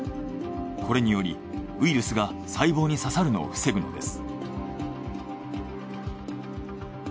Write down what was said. これによりウイルスが細胞に刺さるのを防ぐのです。